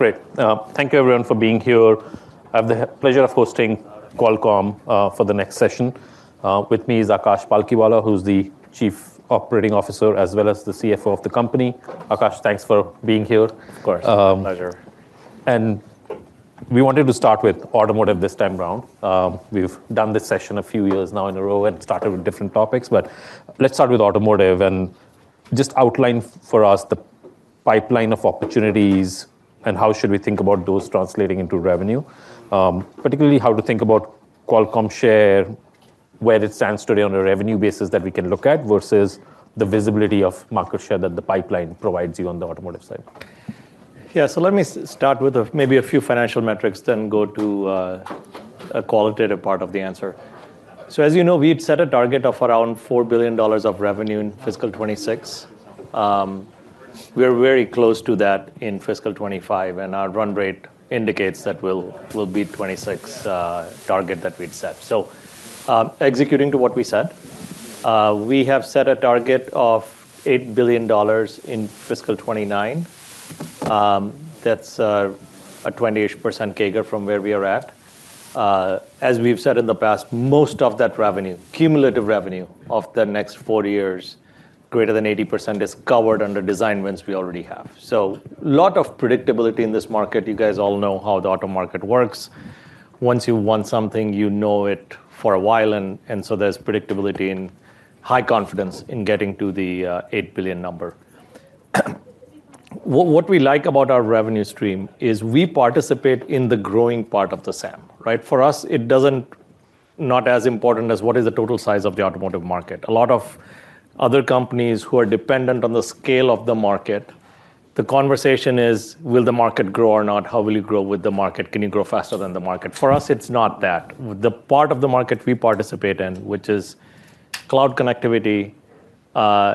Great. Thank you, everyone, for being here. I have the pleasure of hosting Qualcomm for the next session. With me is Akash Palkhiwala, who's the Chief Operating Officer as well as the CFO of the company. Akash, thanks for being here. Of course. Pleasure. We wanted to start with automotive this time around. We've done this session a few years now in a row and started with different topics. Let's start with automotive and just outline for us the pipeline of opportunities and how should we think about those translating into revenue, particularly how to think about Qualcomm share, where it stands today on a revenue basis that we can look at versus the visibility of market share that the pipeline provides you on the automotive side. Yeah, let me start with maybe a few financial metrics, then go to a qualitative part of the answer. As you know, we'd set a target of around $4 billion of revenue in fiscal 2026. We're very close to that in fiscal 2025, and our run rate indicates that we'll beat the 2026 target that we'd set. Executing to what we said, we have set a target of $8 billion in fiscal 2029. That's a 20% CAGR from where we are at. As we've said in the past, most of that revenue, cumulative revenue of the next four years, greater than 80% is covered under design wins we already have. There is a lot of predictability in this market. You guys all know how the auto market works. Once you want something, you know it for a while. There is predictability and high confidence in getting to the $8 billion number. What we like about our revenue stream is we participate in the growing part of the SAM. For us, it's not as important as what is the total size of the automotive market. A lot of other companies who are dependent on the scale of the market, the conversation is, will the market grow or not? How will you grow with the market? Can you grow faster than the market? For us, it's not that. The part of the market we participate in, which is cloud connectivity,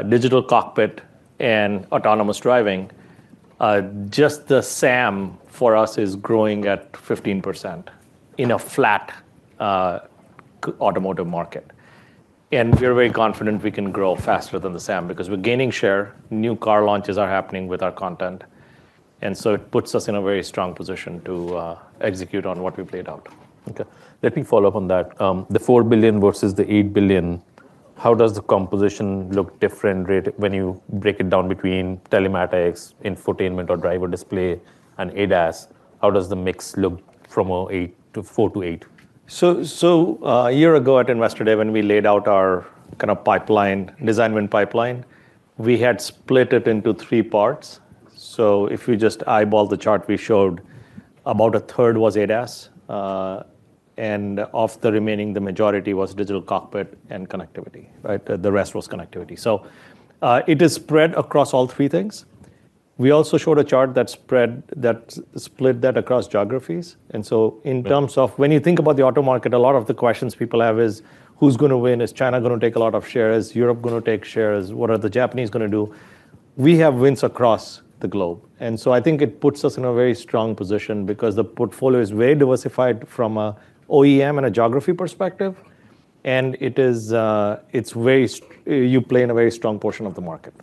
digital cockpit, and autonomous driving, just the SAM for us is growing at 15% in a flat automotive market. We're very confident we can grow faster than the SAM because we're gaining share. New car launches are happening with our content, which puts us in a very strong position to execute on what we've laid out. Let me follow up on that. The $4 billion versus the $8 billion, how does the composition look different when you break it down between telematics, infotainment, or driver display, and ADAS? How does the mix look from $8 billion, $4 billion to $8 billion? A year ago at Investor Day, when we laid out our kind of pipeline, design win pipeline, we had split it into three parts. If you just eyeball the chart we showed, about a third was ADAS. Of the remaining, the majority was digital cockpit and connectivity. The rest was connectivity. It is spread across all three things. We also showed a chart that split that across geographies. In terms of when you think about the auto market, a lot of the questions people have is, who's going to win? Is China going to take a lot of shares? Is Europe going to take shares? What are the Japanese going to do? We have wins across the globe. I think it puts us in a very strong position because the portfolio is very diversified from an OEM and a geography perspective. It is, you play in a very strong portion of the market.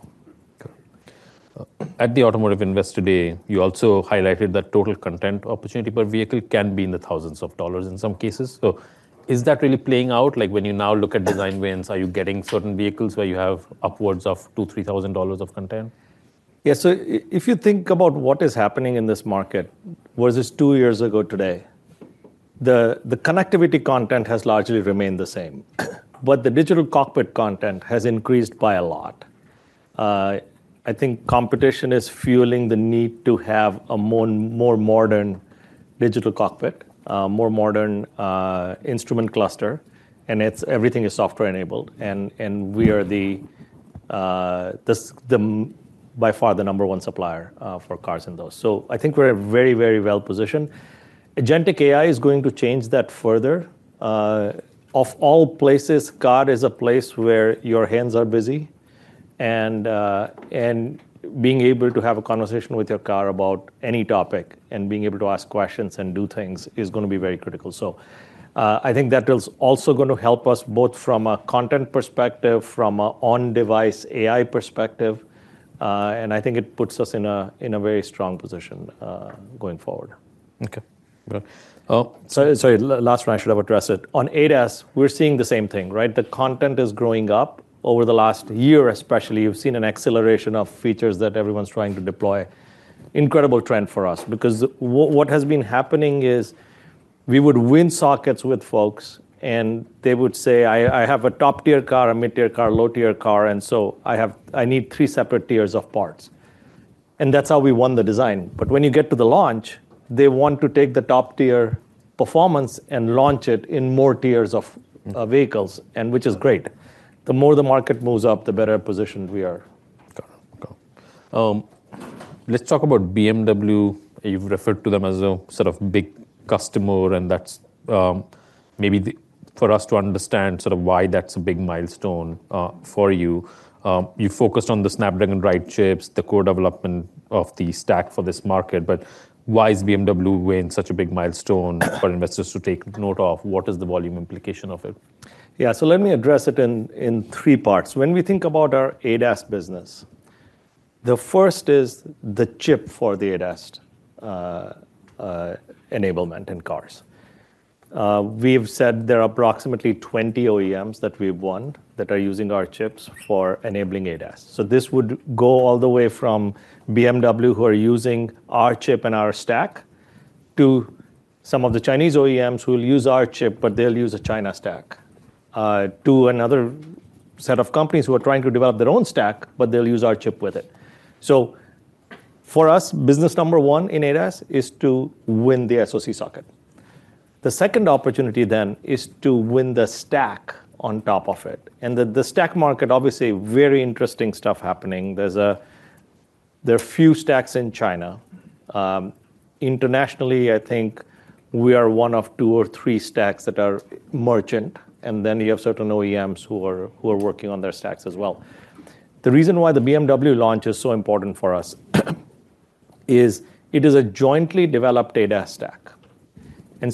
At the Automotive Investor Day, you also highlighted that total content opportunity per vehicle can be in the thousands of dollars in some cases. Is that really playing out? When you now look at design wins, are you getting certain vehicles where you have upwards of $2,000, $3,000 of content? If you think about what is happening in this market versus two years ago today, the connectivity content has largely remained the same, but the digital cockpit content has increased by a lot. I think competition is fueling the need to have a more modern digital cockpit, more modern instrument cluster, and everything is software enabled. We are, by far, the number one supplier for cars in those. I think we're very, very well positioned. Agentic AI is going to change that further. Of all places, car is a place where your hands are busy, and being able to have a conversation with your car about any topic and being able to ask questions and do things is going to be very critical. I think that is also going to help us both from a content perspective, from an on-device AI perspective, and I think it puts us in a very strong position going forward. OK. Sorry, last one I should have addressed. On ADAS, we're seeing the same thing, right? The content is growing up. Over the last year, especially, you've seen an acceleration of features that everyone's trying to deploy. Incredible trend for us because what has been happening is we would win sockets with folks, and they would say, I have a top-tier car, a mid-tier car, a low-tier car. I need three separate tiers of parts. That's how we won the design. When you get to the launch, they want to take the top-tier performance and launch it in more tiers of vehicles, which is great. The more the market moves up, the better positioned we are. Let's talk about BMW. You've referred to them as a sort of big customer. That's maybe for us to understand sort of why that's a big milestone for you. You focused on the Snapdragon Ride chips, the co-development of the stack for this market. Why is BMW weighing such a big milestone for investors to take note of? What is the volume implication of it? Yeah, so let me address it in three parts. When we think about our ADAS business, the first is the chip for the ADAS enablement in cars. We've said there are approximately 20 OEMs that we've won that are using our chips for enabling ADAS. This would go all the way from BMW, who are using our chip and our stack, to some of the Chinese OEMs who will use our chip, but they'll use a China stack, to another set of companies who are trying to develop their own stack, but they'll use our chip with it. For us, business number one in ADAS is to win the SoC socket. The second opportunity then is to win the stack on top of it. The stack market, obviously, very interesting stuff happening. There are a few stacks in China. Internationally, I think we are one of two or three stacks that are merchant. Then you have certain OEMs who are working on their stacks as well. The reason why the BMW launch is so important for us is it is a jointly developed ADAS stack.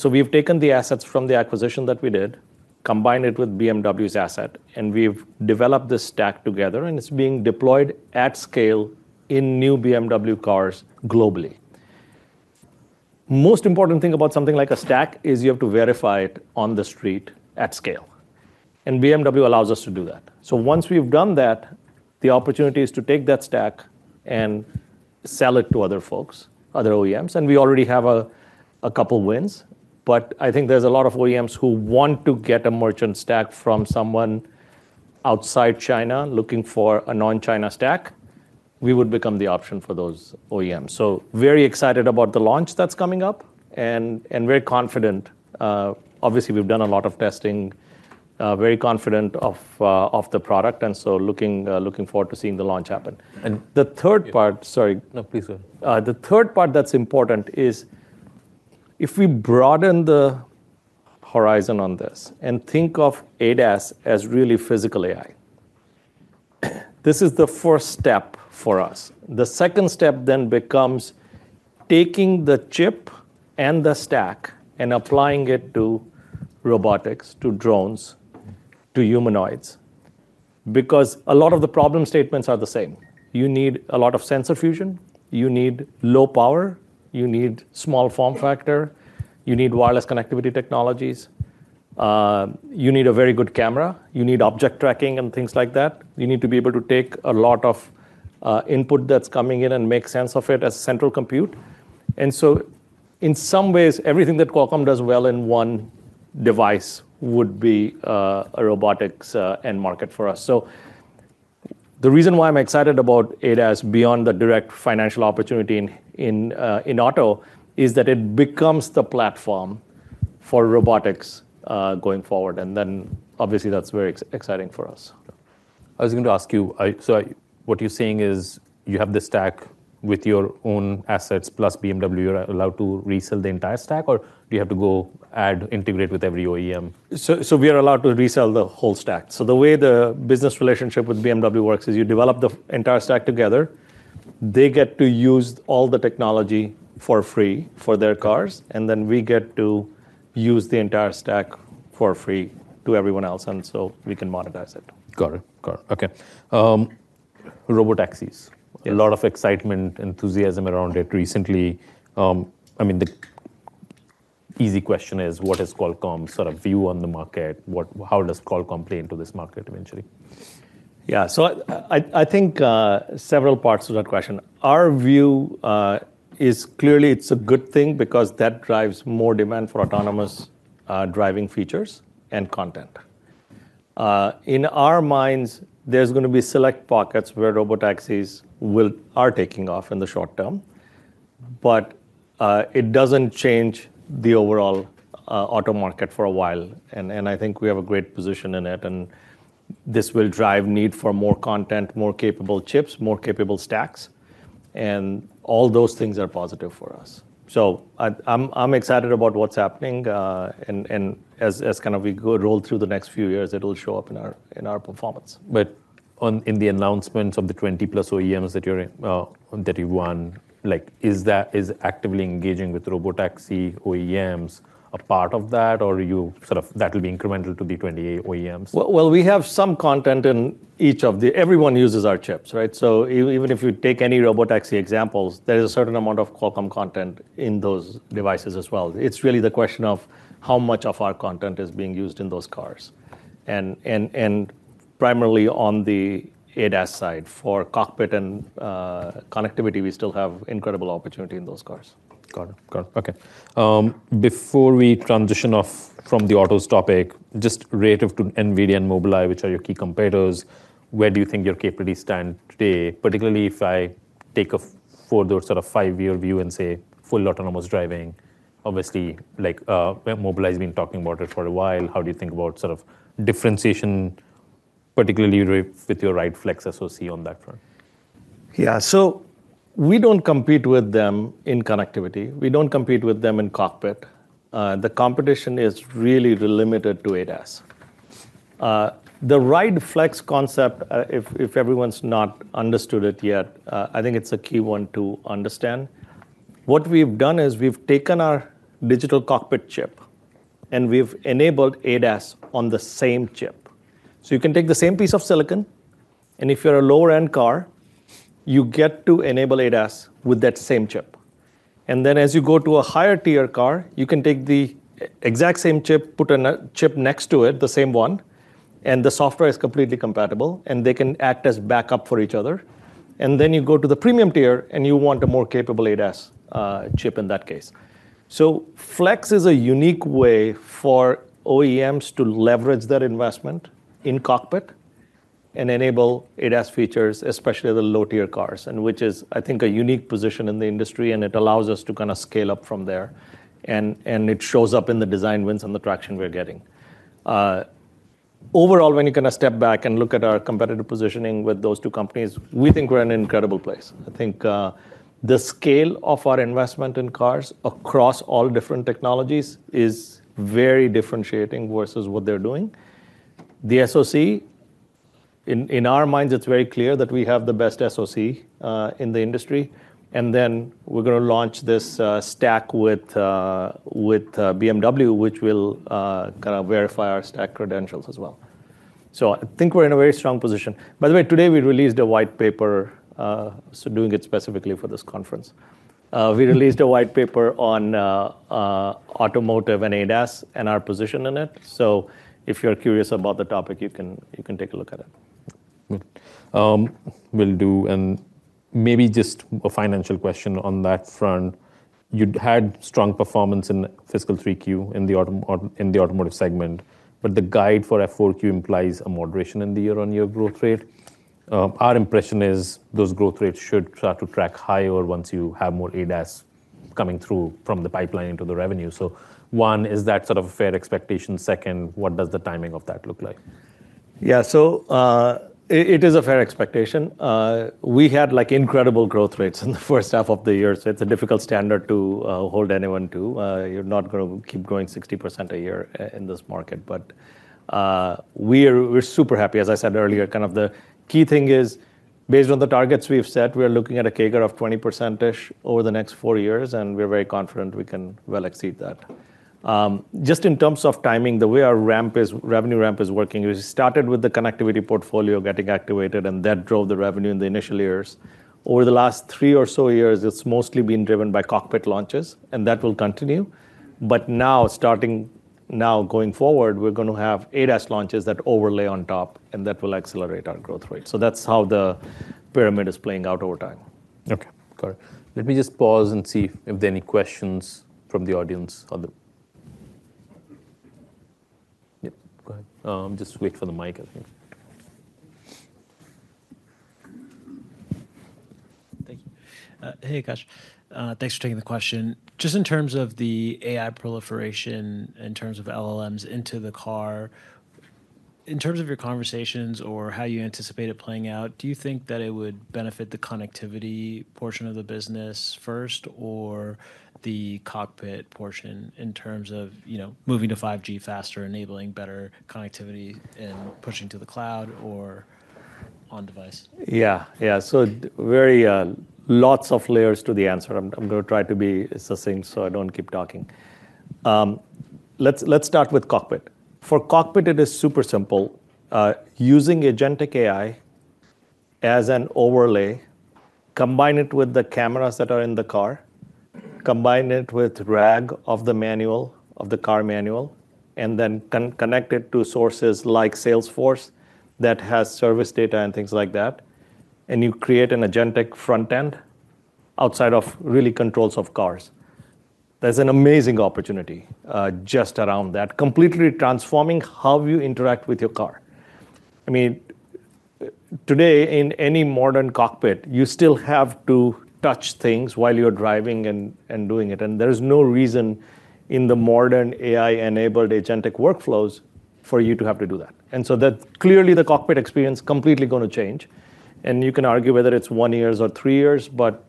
We've taken the assets from the acquisition that we did, combined it with BMW's asset, and we've developed this stack together. It's being deployed at scale in new BMW cars globally. The most important thing about something like a stack is you have to verify it on the street at scale. BMW allows us to do that. Once we've done that, the opportunity is to take that stack and sell it to other folks, other OEMs. We already have a couple of wins. I think there's a lot of OEMs who want to get a merchant stack from someone outside China looking for a non-China stack. We would become the option for those OEMs. Very excited about the launch that's coming up and very confident. Obviously, we've done a lot of testing, very confident of the product. Looking forward to seeing the launch happen. The third part that's important is if we broaden the horizon on this and think of ADAS as really physical AI, this is the first step for us. The second step then becomes taking the chip and the stack and applying it to robotics, to drones, to humanoids, because a lot of the problem statements are the same. You need a lot of sensor fusion. You need low power. You need small form factor. You need wireless connectivity technologies. You need a very good camera. You need object tracking and things like that. You need to be able to take a lot of input that's coming in and make sense of it as central compute. In some ways, everything that Qualcomm does well in one device would be a robotics end market for us. The reason why I'm excited about ADAS beyond the direct financial opportunity in auto is that it becomes the platform for robotics going forward. Obviously, that's very exciting for us. I was going to ask you, so what you're saying is you have the stack with your own assets, plus BMW, you're allowed to resell the entire stack? Or do you have to go add, integrate with every OEM? We are allowed to resell the whole stack. The way the business relationship with BMW works is you develop the entire stack together. They get to use all the technology for free for their cars, and then we get to use the entire stack for free to everyone else. We can monetize it. Got it. OK. Robotaxis, a lot of excitement, enthusiasm around it recently. I mean, the easy question is, what is Qualcomm's sort of view on the market? How does Qualcomm play into this market eventually? I think several parts to that question. Our view is clearly it's a good thing because that drives more demand for autonomous driving features and content. In our minds, there's going to be select pockets where robotaxis will take off in the short term. It doesn't change the overall auto market for a while. I think we have a great position in it. This will drive the need for more content, more capable chips, more capable stacks. All those things are positive for us. I'm excited about what's happening. As we roll through the next few years, it'll show up in our performance. In the announcements of the 20-plus OEMs that you won, is actively engaging with robotaxi OEMs a part of that, or will that be incremental to the 20 OEMs? We have some content in each of the everyone uses our chips. So even if you take any robotaxi examples, there's a certain amount of Qualcomm content in those devices as well. It's really the question of how much of our content is being used in those cars. Primarily on the ADAS side for cockpit and connectivity, we still have incredible opportunity in those cars. Got it. OK. Before we transition off from the autos topic, just relative to NVIDIA and Mobileye, which are your key competitors, where do you think your capabilities stand today, particularly if I take a further sort of five-year view and say full autonomous driving? Obviously, Mobileye has been talking about it for a while. How do you think about sort of differentiation, particularly with your Ride Flex SoC on that front? Yeah, we don't compete with them in connectivity. We don't compete with them in cockpit. The competition is really limited to ADAS. The Ride Flex concept, if everyone's not understood it yet, I think it's a key one to understand. What we've done is we've taken our digital cockpit chip and we've enabled ADAS on the same chip. You can take the same piece of silicon, and if you're a lower-end car, you get to enable ADAS with that same chip. As you go to a higher-tier car, you can take the exact same chip, put a chip next to it, the same one, and the software is completely compatible. They can act as backup for each other. You go to the premium tier and you want a more capable ADAS chip in that case. Flex is a unique way for OEMs to leverage their investment in cockpit and enable ADAS features, especially the low-tier cars, which is, I think, a unique position in the industry. It allows us to kind of scale up from there, and it shows up in the design wins and the traction we're getting. Overall, when you step back and look at our competitive positioning with those two companies, we think we're in an incredible place. I think the scale of our investment in cars across all different technologies is very differentiating versus what they're doing. The SoC, in our minds, it's very clear that we have the best SoC in the industry. We're going to launch this stack with BMW, which will verify our stack credentials as well. I think we're in a very strong position. By the way, today we released a white paper, doing it specifically for this conference. We released a white paper on automotive and ADAS and our position in it. If you're curious about the topic, you can take a look at it. Will do. Maybe just a financial question on that front. You had strong performance in fiscal 3Q in the automotive segment. The guide for F4Q implies a moderation in the year-on-year growth rate. Our impression is those growth rates should start to track higher once you have more ADAS coming through from the pipeline into the revenue. Is that sort of a fair expectation? What does the timing of that look like? Yeah, so it is a fair expectation. We had incredible growth rates in the first half of the year. It is a difficult standard to hold anyone to. You're not going to keep growing 60% a year in this market. We're super happy. As I said earlier, kind of the key thing is, based on the targets we've set, we're looking at a CAGR of 20%-ish over the next four years. We're very confident we can well exceed that. Just in terms of timing, the way our revenue ramp is working, we started with the connectivity portfolio getting activated, and that drove the revenue in the initial years. Over the last three or so years, it's mostly been driven by cockpit launches, and that will continue. Now, starting now going forward, we're going to have ADAS launches that overlay on top, and that will accelerate our growth rate. That's how the pyramid is playing out over time. OK. Got it. Let me just pause and see if there are any questions from the audience. Yep, go ahead. Just wait for the mic, I think. Thank you. Hey, Akash. Thanks for taking the question. In terms of the AI proliferation, in terms of LLMs into the car, in terms of your conversations or how you anticipate it playing out, do you think that it would benefit the connectivity portion of the business first or the cockpit portion in terms of moving to 5G faster, enabling better connectivity, and pushing to the cloud or on-device? Yeah, yeah. So, lots of layers to the answer. I'm going to try to be succinct so I don't keep talking. Let's start with cockpit. For cockpit, it is super simple. Using agentic AI as an overlay, combine it with the cameras that are in the car, combine it with RAG of the manual, of the car manual, and then connect it to sources like Salesforce that has service data and things like that. You create an agentic front end outside of really controls of cars. There's an amazing opportunity just around that, completely transforming how you interact with your car. I mean, today, in any modern cockpit, you still have to touch things while you're driving and doing it. There's no reason in the modern AI-enabled agentic workflows for you to have to do that. That clearly, the cockpit experience is completely going to change. You can argue whether it's one year or three years, but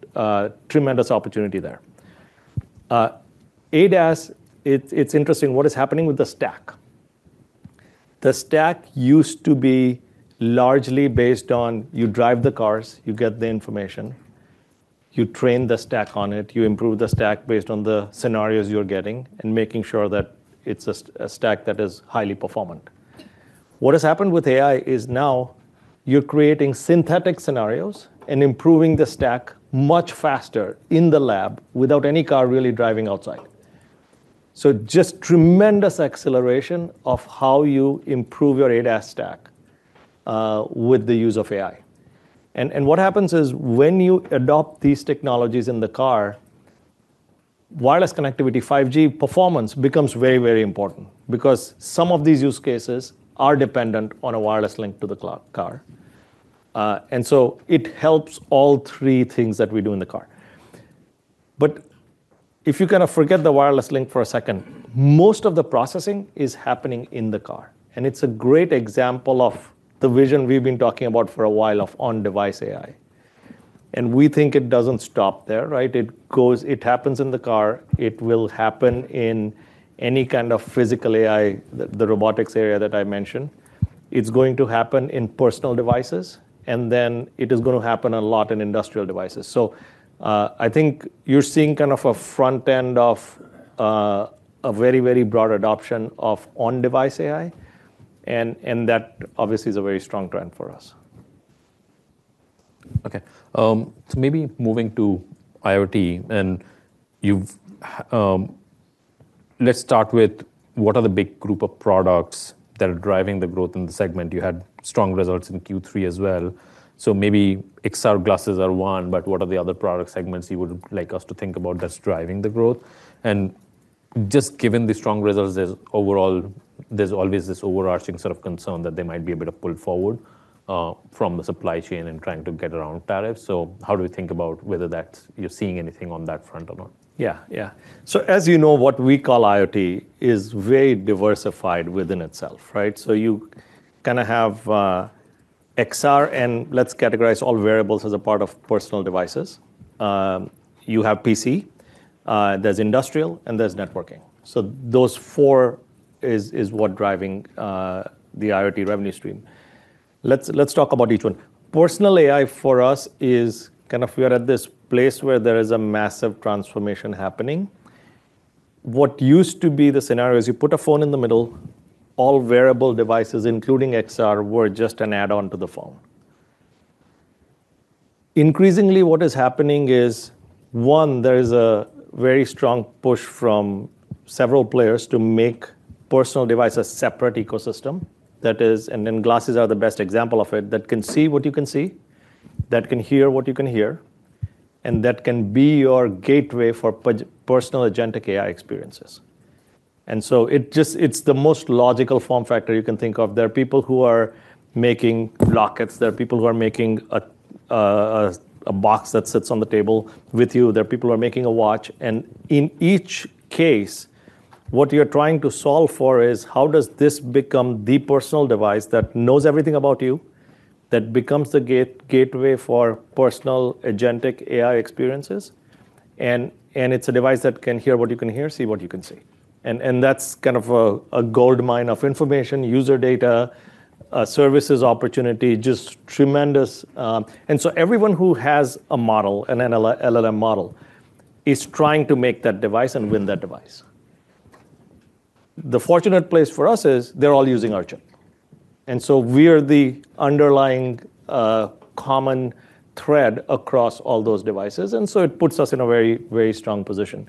tremendous opportunity there. ADAS, it's interesting what is happening with the stack. The stack used to be largely based on you drive the cars, you get the information, you train the stack on it, you improve the stack based on the scenarios you're getting, and making sure that it's a stack that is highly performant. What has happened with AI is now you're creating synthetic scenarios and improving the stack much faster in the lab without any car really driving outside. Just tremendous acceleration of how you improve your ADAS stack with the use of AI. What happens is when you adopt these technologies in the car, wireless connectivity, 5G performance becomes very, very important because some of these use cases are dependent on a wireless link to the car. It helps all three things that we do in the car. If you kind of forget the wireless link for a second, most of the processing is happening in the car. It's a great example of the vision we've been talking about for a while of on-device AI. We think it doesn't stop there. It happens in the car. It will happen in any kind of physical AI, the robotics area that I mentioned. It's going to happen in personal devices. Then it is going to happen a lot in industrial devices. I think you're seeing kind of a front end of a very, very broad adoption of on-device AI. That obviously is a very strong trend for us. OK. Maybe moving to IoT. Let's start with what are the big group of products that are driving the growth in the segment. You had strong results in Q3 as well. XR glasses are one. What are the other product segments you would like us to think about that's driving the growth? Given the strong results, there's always this overarching sort of concern that they might be a bit of a pull forward from the supply chain and trying to get around tariffs. How do we think about whether you're seeing anything on that front or not? Yeah, yeah. As you know, what we call IoT is very diversified within itself. You kind of have XR, and let's categorize all wearables as a part of personal devices. You have PC, there's industrial, and there's networking. Those four are what are driving the IoT revenue stream. Let's talk about each one. Personal AI for us is kind of we are at this place where there is a massive transformation happening. What used to be the scenario is you put a phone in the middle. All wearable devices, including XR, were just an add-on to the phone. Increasingly, what is happening is, one, there is a very strong push from several players to make personal devices a separate ecosystem. That is, and then glasses are the best example of it, that can see what you can see, that can hear what you can hear, and that can be your gateway for personal agentic AI experiences. It's the most logical form factor you can think of. There are people who are making lockets. There are people who are making a box that sits on the table with you. There are people who are making a watch. In each case, what you're trying to solve for is how does this become the personal device that knows everything about you, that becomes the gateway for personal agentic AI experiences. It's a device that can hear what you can hear, see what you can see. That's kind of a gold mine of information, user data, services opportunity, just tremendous. Everyone who has a model, an LLM model, is trying to make that device and win that device. The fortunate place for us is they're all using our chip. We are the underlying common thread across all those devices. It puts us in a very, very strong position.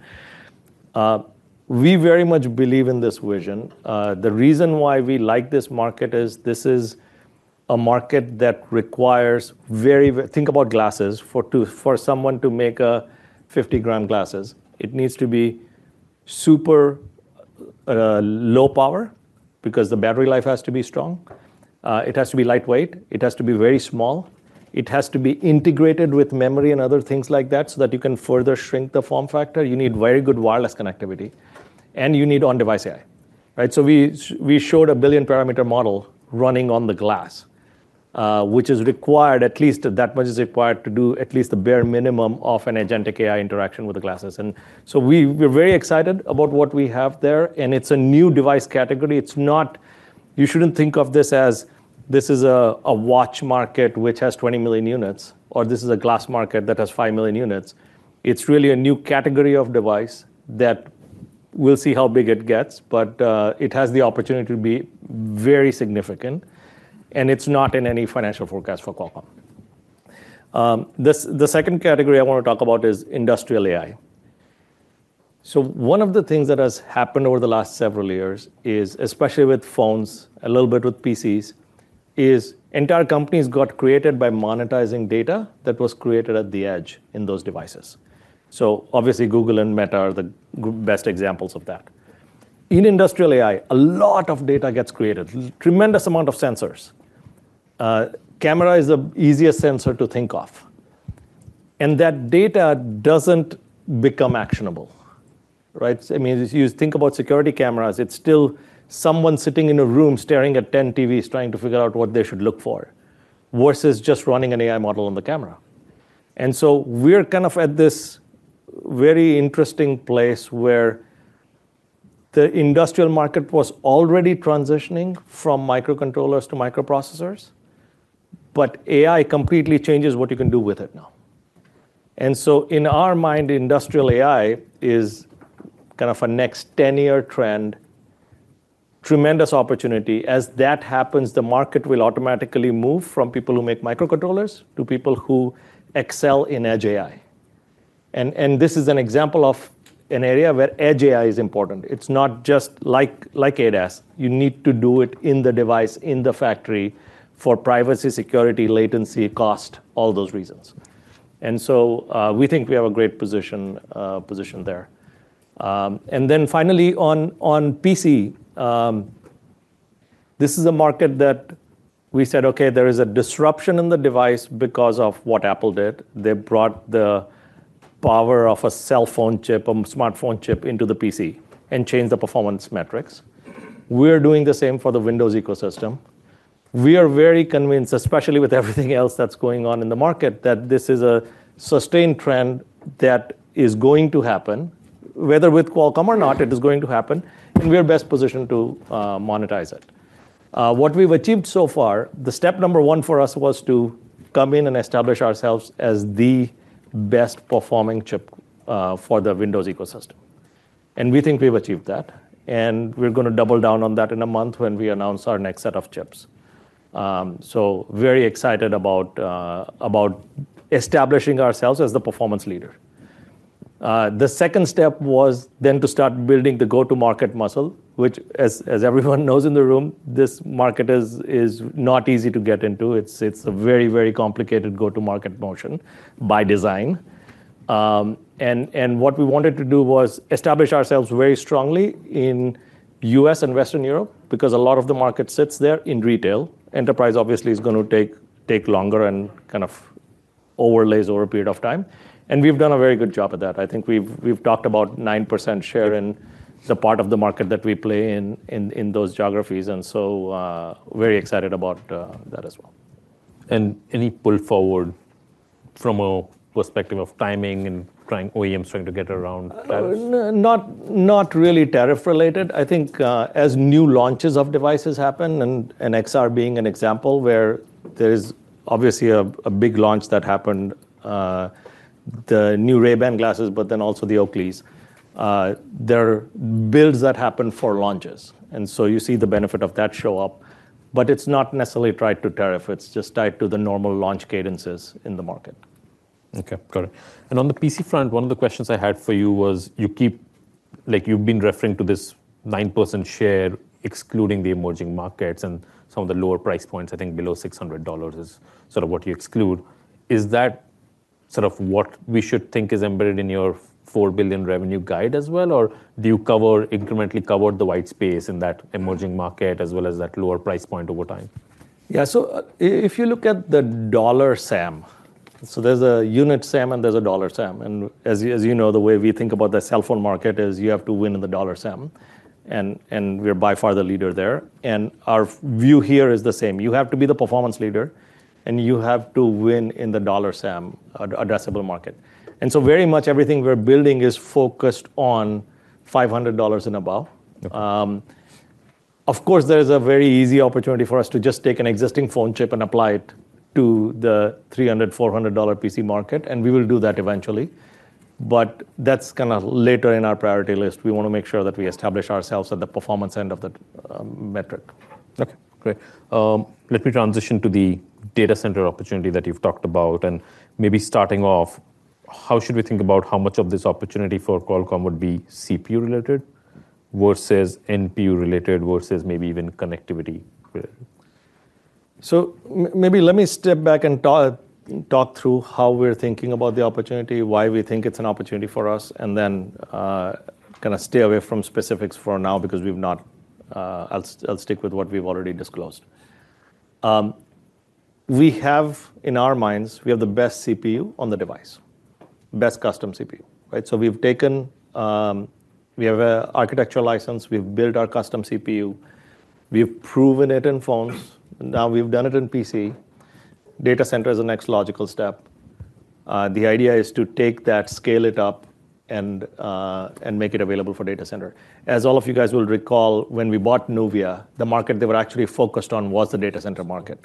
We very much believe in this vision. The reason why we like this market is this is a market that requires very, very, think about glasses. For someone to make 50 g glasses, it needs to be super low power because the battery life has to be strong. It has to be lightweight. It has to be very small. It has to be integrated with memory and other things like that so that you can further shrink the form factor. You need very good wireless connectivity. You need on-device AI. We showed a 1 billion-parameter model running on the glass, which is required, at least that much is required to do at least the bare minimum of an agentic AI interaction with the glasses. We're very excited about what we have there. It's a new device category. You shouldn't think of this as this is a watch market which has 20 million units, or this is a glass market that has 5 million units. It's really a new category of device that we'll see how big it gets. It has the opportunity to be very significant, and it's not in any financial forecast for Qualcomm. The second category I want to talk about is industrial AI. One of the things that has happened over the last several years is, especially with phones, a little bit with PCs, entire companies got created by monetizing data that was created at the edge in those devices. Obviously, Google and Meta are the best examples of that. In industrial AI, a lot of data gets created, a tremendous amount of sensors. Camera is the easiest sensor to think of, and that data doesn't become actionable. If you think about security cameras, it's still someone sitting in a room staring at 10 TVs trying to figure out what they should look for versus just running an AI model on the camera. We're kind of at this very interesting place where the industrial market was already transitioning from microcontrollers to microprocessors. AI completely changes what you can do with it now. In our mind, industrial AI is kind of a next 10-year trend, tremendous opportunity. As that happens, the market will automatically move from people who make microcontrollers to people who excel in edge AI. This is an example of an area where edge AI is important. It's not just like ADAS. You need to do it in the device, in the factory for privacy, security, latency, cost, all those reasons. We think we have a great position there. Finally, on PC, this is a market that we said, OK, there is a disruption in the device because of what Apple did. They brought the power of a cell phone chip, a smartphone chip into the PC and changed the performance metrics. We are doing the same for the Windows ecosystem. We are very convinced, especially with everything else that's going on in the market, that this is a sustained trend that is going to happen, whether with Qualcomm or not, it is going to happen. We are best positioned to monetize it. What we've achieved so far, the step number one for us was to come in and establish ourselves as the best performing chip for the Windows ecosystem. We think we've achieved that, and we're going to double down on that in a month when we announce our next set of chips. Very excited about establishing ourselves as the performance leader. The second step was then to start building the go-to-market muscle, which, as everyone knows in the room, this market is not easy to get into. It's a very, very complicated go-to-market motion by design. What we wanted to do was establish ourselves very strongly in the U.S. and Western Europe because a lot of the market sits there in retail. Enterprise, obviously, is going to take longer and kind of overlays over a period of time. We've done a very good job at that. I think we've talked about 9% share in the part of the market that we play in those geographies. Very excited about that as well. And any pull forward from a perspective of timing, with OEMs trying to get around? Not really tariff-related. I think as new launches of devices happen, and XR being an example where there is obviously a big launch that happened, the new Ray-Ban glasses, but also the Oakleys, there are builds that happen for launches. You see the benefit of that show up. It's not necessarily tied to tariff. It's just tied to the normal launch cadences in the market. OK, got it. On the PC front, one of the questions I had for you was you've been referring to this 9% share, excluding the emerging markets. Some of the lower price points, I think below $600, is sort of what you exclude. Is that sort of what we should think is embedded in your $4 billion revenue guide as well? Do you incrementally cover the white space in that emerging market as well as that lower price point over time? If you look at the dollar SAM, there is a unit SAM and there is a dollar SAM. As you know, the way we think about the cell phone market is you have to win in the dollar SAM. We're by far the leader there. Our view here is the same. You have to be the performance leader, and you have to win in the dollar SAM addressable market. Very much everything we're building is focused on $500 and above. Of course, there is a very easy opportunity for us to just take an existing phone chip and apply it to the $300, $400 PC market. We will do that eventually, but that's kind of later in our priority list. We want to make sure that we establish ourselves at the performance end of the metric. OK, great. Let me transition to the data center opportunity that you've talked about. Maybe starting off, how should we think about how much of this opportunity for Qualcomm would be CPU-related versus NPU-related versus maybe even connectivity? Let me step back and talk through how we're thinking about the opportunity, why we think it's an opportunity for us, and then kind of stay away from specifics for now because I'll stick with what we've already disclosed. We have, in our minds, the best CPU on the device, best custom CPU. We've taken—we have an architectural license. We've built our custom CPU. We've proven it in phones. Now we've done it in PC. Data center is the next logical step. The idea is to take that, scale it up, and make it available for data center. As all of you guys will recall, when we bought NUVIA, the market they were actually focused on was the data center market.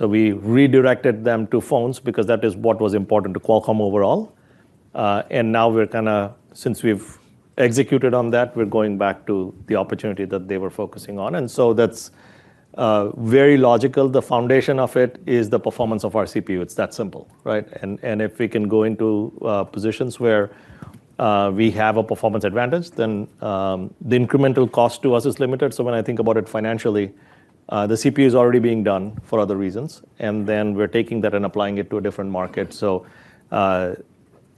We redirected them to phones because that is what was important to Qualcomm overall. Now, since we've executed on that, we're going back to the opportunity that they were focusing on. That's very logical. The foundation of it is the performance of our CPU. It's that simple. If we can go into positions where we have a performance advantage, then the incremental cost to us is limited. When I think about it financially, the CPU is already being done for other reasons. Then we're taking that and applying it to a different market.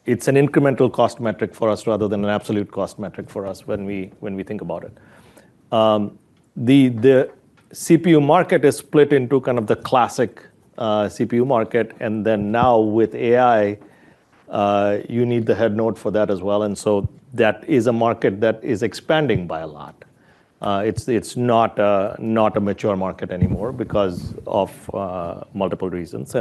It's an incremental cost metric for us rather than an absolute cost metric for us when we think about it. The CPU market is split into the classic CPU market. Now with AI, you need the head nod for that as well. That is a market that is expanding by a lot. It's not a mature market anymore because of multiple reasons.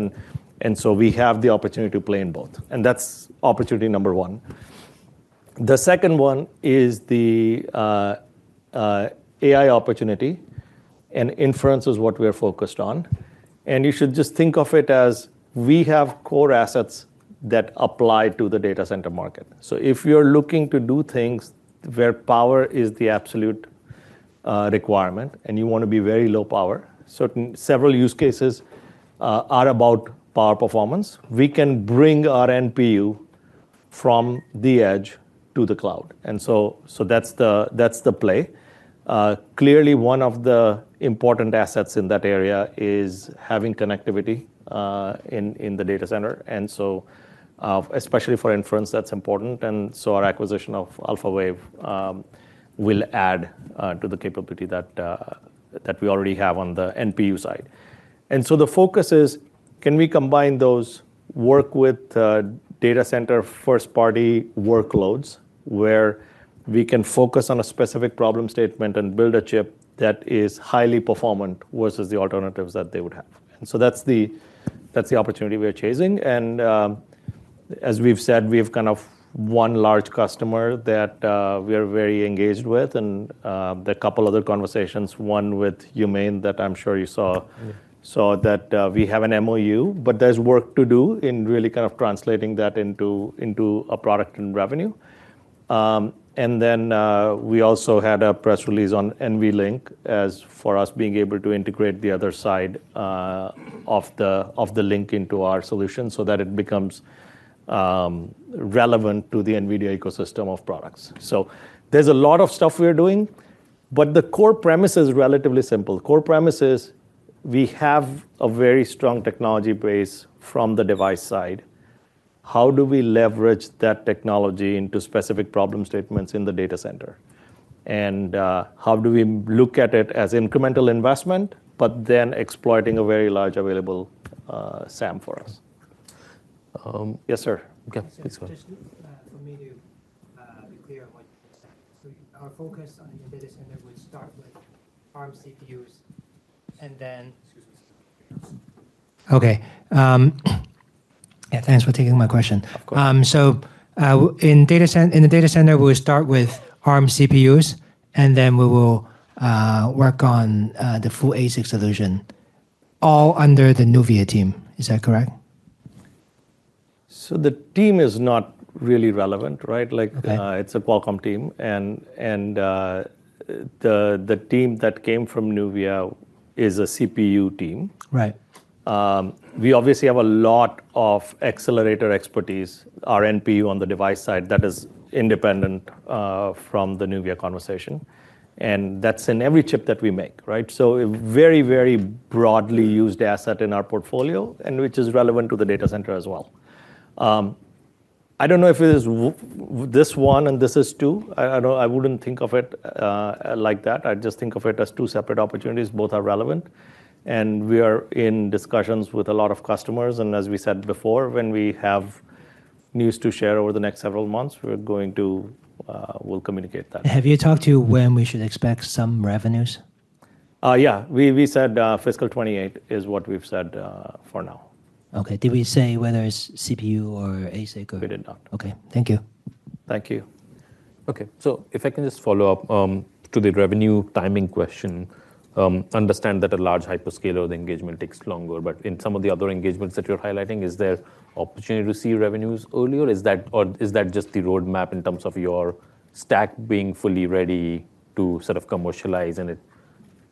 We have the opportunity to play in both. That's opportunity number one. The second one is the AI opportunity. Inference is what we're focused on. You should just think of it as we have core assets that apply to the data center market. If you're looking to do things where power is the absolute requirement and you want to be very low power, several use cases are about power performance. We can bring our NPU from the edge to the cloud. That's the play. Clearly, one of the important assets in that area is having connectivity in the data center. Especially for inference, that's important. Our acquisition of Alphawave will add to the capability that we already have on the NPU side. The focus is, can we combine those, work with data center first-party workloads where we can focus on a specific problem statement and build a chip that is highly performant versus the alternatives that they would have? That is the opportunity we're chasing. As we've said, we have kind of one large customer that we are very engaged with. There are a couple of other conversations, one with Humane that I'm sure you saw, saw that we have an MOU. There is work to do in really kind of translating that into a product and revenue. We also had a press release on NVLink as for us being able to integrate the other side of the link into our solution so that it becomes relevant to the Nvidia ecosystem of products. There is a lot of stuff we're doing. The core premise is relatively simple. The core premise is we have a very strong technology base from the device side. How do we leverage that technology into specific problem statements in the data center? How do we look at it as incremental investment but then exploiting a very large available SAM for us? Yes, sir. Just for me to be clear on what you said. Our focus in the data center would start with ARM CPUs. Yeah, thanks for taking my question. In the data center, we'll start with ARM CPUs, and then we will work on the full ASIC solution, all under the NUVIA team. Is that correct? The team is not really relevant, right? It's a Qualcomm team, and the team that came from NUVIA is a CPU team. We obviously have a lot of accelerator expertise, our NPU on the device side that is independent from the NUVIA conversation. That's in every chip that we make, right? A very, very broadly used asset in our portfolio, which is relevant to the data center as well. I don't know if it is this one and this is two. I wouldn't think of it like that. I just think of it as two separate opportunities. Both are relevant. We are in discussions with a lot of customers. As we said before, when we have news to share over the next several months, we're going to, we'll communicate that. Have you talked to when we should expect some revenues? Yeah, we said fiscal 2028 is what we've said for now. OK. Did we say whether it's CPU or ASIC? We did not. OK, thank you. Thank you. OK. If I can just follow up to the revenue timing question, I understand that a large hyperscaler engagement takes longer. In some of the other engagements that you're highlighting, is there opportunity to see revenues earlier? Is that just the roadmap in terms of your stack being fully ready to sort of commercialize?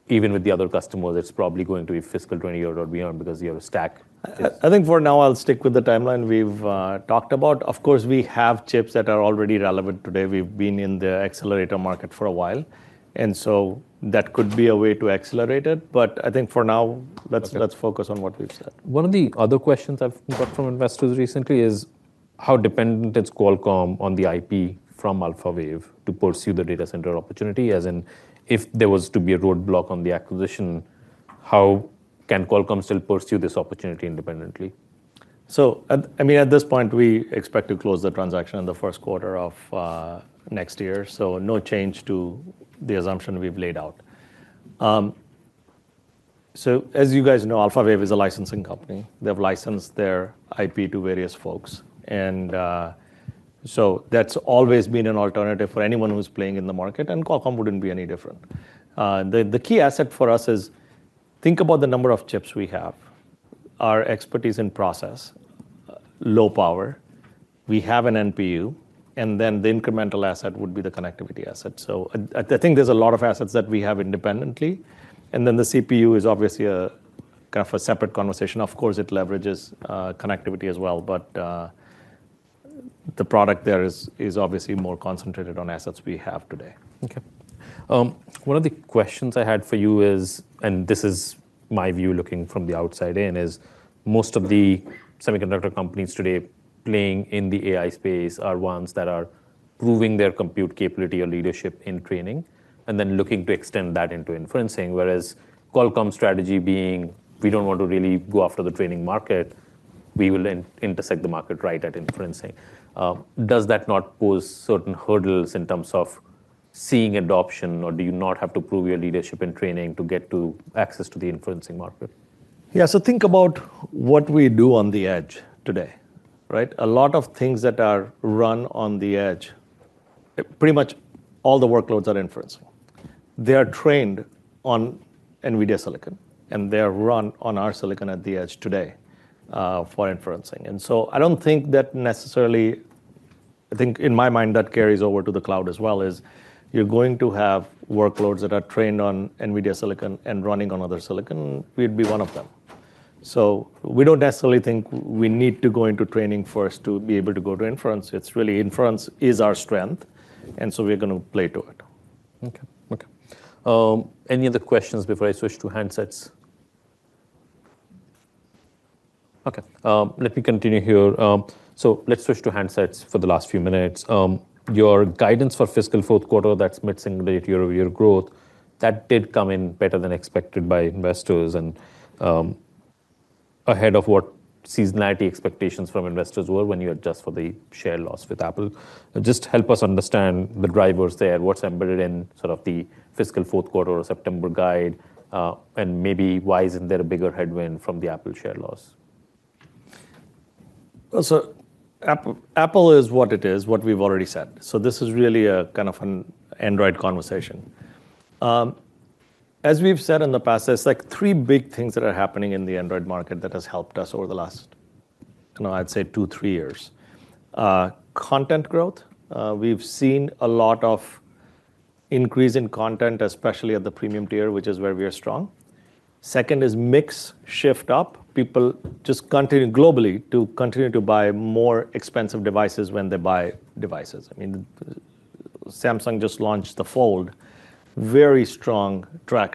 Even with the other customers, it's probably going to be fiscal 2028 or beyond because you have a stack. I think for now, I'll stick with the timeline we've talked about. Of course, we have chips that are already relevant today. We've been in the accelerator market for a while, so that could be a way to accelerate it. I think for now, let's focus on what we've said. One of the other questions I've got from investors recently is how dependent is Qualcomm on the IP from Alphawave to pursue the data center opportunity? As in, if there was to be a roadblock on the acquisition, how can Qualcomm still pursue this opportunity independently? At this point, we expect to close the transaction in the first quarter of next year. No change to the assumption we've laid out. As you guys know, Alphawave is a licensing company. They have licensed their IP to various folks. That's always been an alternative for anyone who's playing in the market. Qualcomm wouldn't be any different. The key asset for us is think about the number of chips we have, our expertise in process, low power. We have an NPU. The incremental asset would be the connectivity asset. I think there's a lot of assets that we have independently. The CPU is obviously a kind of a separate conversation. Of course, it leverages connectivity as well. The product there is obviously more concentrated on assets we have today. OK. One of the questions I had for you is, and this is my view looking from the outside in, is most of the semiconductor companies today playing in the AI space are ones that are proving their compute capability or leadership in training and then looking to extend that into inferencing, whereas Qualcomm's strategy being we don't want to really go after the training market. We will intersect the market right at inferencing. Does that not pose certain hurdles in terms of seeing adoption? Do you not have to prove your leadership in training to get access to the inferencing market? Yeah, so think about what we do on the edge today. A lot of things that are run on the edge, pretty much all the workloads are inference. They are trained on NVIDIA silicon, and they are run on our silicon at the edge today for inference. I don't think that necessarily, I think in my mind that carries over to the cloud as well. You're going to have workloads that are trained on NVIDIA silicon and running on other silicon. We'd be one of them. We don't necessarily think we need to go into training first to be able to go to inference. It's really inference is our strength, and we're going to play to it. OK. Any other questions before I switch to handsets? OK. Let me continue here. Let's switch to handsets for the last few minutes. Your guidance for fiscal fourth quarter, that's mitigating your growth, that did come in better than expected by investors and ahead of what seasonality expectations from investors were when you adjust for the share loss with Apple. Just help us understand the drivers there, what's embedded in sort of the fiscal fourth quarter or September guide, and maybe why isn't there a bigger headwind from the Apple share loss? Apple is what it is, what we've already said. This is really a kind of an Android conversation. As we've said in the past, there are three big things that are happening in the Android market that have helped us over the last, I'd say, two, three years. Content growth. We've seen a lot of increase in content, especially at the premium tier, which is where we are strong. The second is mix shift up. People just continue globally to continue to buy more expensive devices when they buy devices. I mean, Samsung just launched the Fold, very strong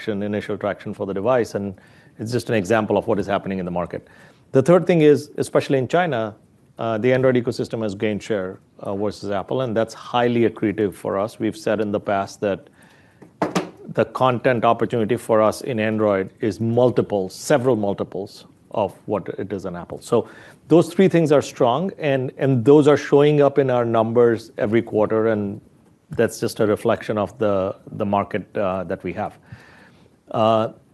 initial traction for the device. It's just an example of what is happening in the market. The third thing is, especially in China, the Android ecosystem has gained share versus Apple. That's highly accretive for us. We've said in the past that the content opportunity for us in Android is multiple, several multiples of what it is in Apple. Those three things are strong. Those are showing up in our numbers every quarter. That's just a reflection of the market that we have.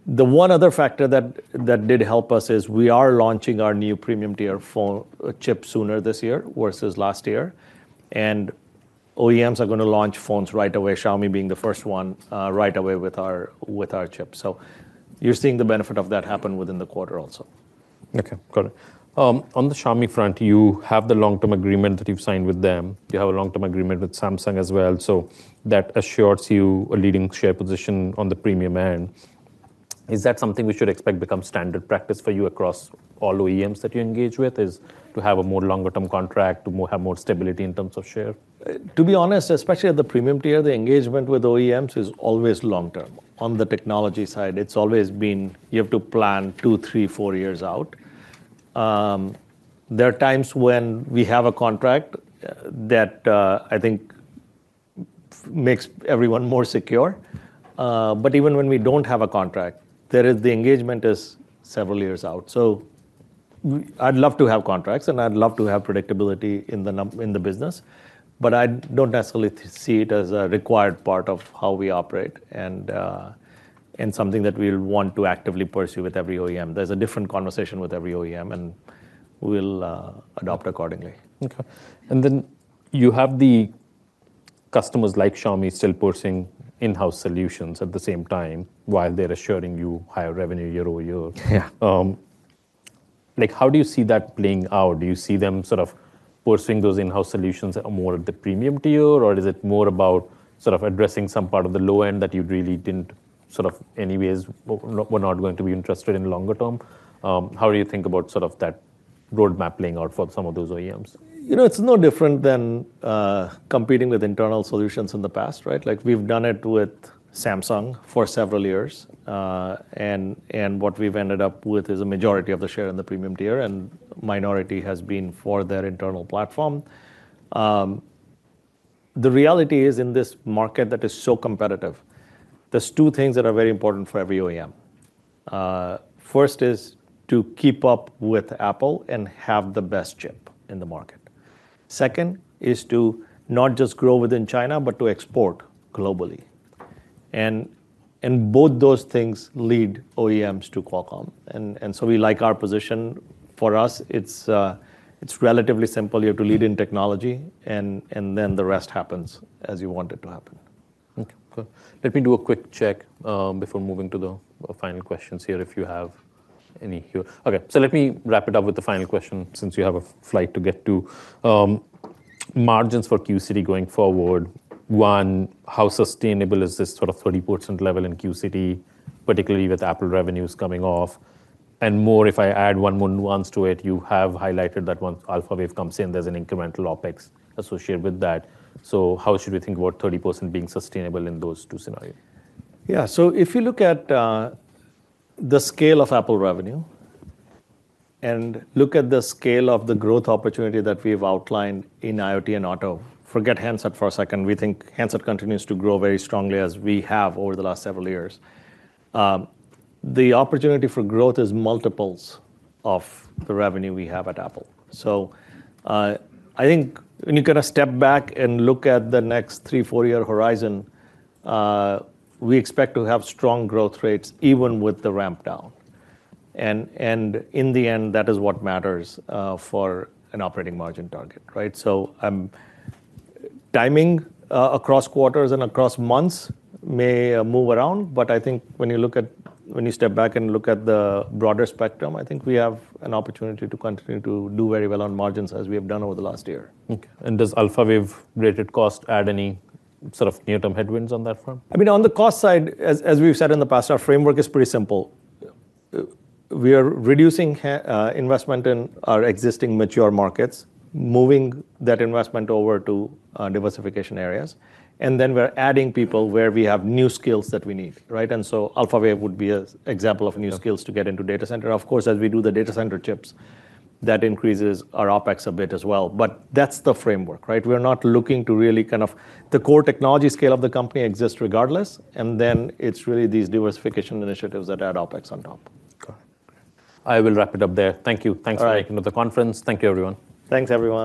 The one other factor that did help us is we are launching our new premium-tier chip sooner this year versus last year. OEMs are going to launch phones right away, Xiaomi being the first one right away with our chips. You're seeing the benefit of that happen within the quarter also. OK. Got it. On the Xiaomi front, you have the long-term agreement that you've signed with them. You have a long-term agreement with Samsung as well. That assures you a leading share position on the premium end. Is that something we should expect to become standard practice for you across all OEMs that you engage with, to have a more longer-term contract, to have more stability in terms of share? To be honest, especially at the premium tier, the engagement with OEMs is always long-term. On the technology side, it's always been you have to plan two, three, four years out. There are times when we have a contract that I think makes everyone more secure. Even when we don't have a contract, the engagement is several years out. I'd love to have contracts, and I'd love to have predictability in the business. I don't necessarily see it as a required part of how we operate and something that we want to actively pursue with every OEM. There's a different conversation with every OEM, and we'll adopt accordingly. OK. You have customers like Xiaomi still pursuing in-house solutions at the same time while they're assuring you higher revenue year over year. How do you see that playing out? Do you see them sort of pursuing those in-house solutions more at the premium tier, or is it more about addressing some part of the low end that you really didn't sort of anyways were not going to be interested in longer term? How do you think about that roadmap playing out for some of those OEMs? You know, it's no different than competing with internal solutions in the past, right? Like we've done it with Samsung for several years, and what we've ended up with is a majority of the share in the premium tier, and the minority has been for their internal platform. The reality is in this market that is so competitive, there are two things that are very important for every OEM. First is to keep up with Apple and have the best chip in the market. Second is to not just grow within China, but to export globally. Both those things lead OEMs to Qualcomm, and we like our position. For us, it's relatively simple. You have to lead in technology, and then the rest happens as you want it to happen. OK. Let me do a quick check before moving to the final questions here if you have any here. OK. Let me wrap it up with the final question since you have a flight to get to. Margins for QCT going forward. One, how sustainable is this sort of 30% level in QCT, particularly with Apple revenues coming off? If I add one more nuance to it, you have highlighted that once Alphawave comes in, there's an incremental OpEx associated with that. How should we think about 30% being sustainable in those two scenarios? Yeah, so if you look at the scale of Apple revenue and look at the scale of the growth opportunity that we've outlined in IoT and auto, forget handset for a second. We think handset continues to grow very strongly as we have over the last several years. The opportunity for growth is multiples of the revenue we have at Apple. I think when you kind of step back and look at the next three, four-year horizon, we expect to have strong growth rates even with the ramp down. In the end, that is what matters for an operating margin target, right? Timing across quarters and across months may move around. I think when you step back and look at the broader spectrum, I think we have an opportunity to continue to do very well on margins as we have done over the last year. Does Alphawave-related cost add any sort of near-term headwinds on that front? I mean, on the cost side, as we've said in the past, our framework is pretty simple. We are reducing investment in our existing mature markets, moving that investment over to diversification areas. We're adding people where we have new skills that we need, right? Alphawave would be an example of new skills to get into data center. Of course, as we do the data center chips, that increases our OpEx a bit as well. That's the framework, right? We're not looking to really kind of the core technology scale of the company exists regardless. It's really these diversification initiatives that add OpEx on top. I will wrap it up there. Thank you. Thanks for making it to the conference. Thank you, everyone. Thanks, everyone.